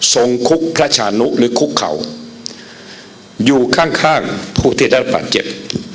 ทรงคุกพระชานุหรือคุกเข่าอยู่ข้างทุทธิฤปัตย์เจ็บ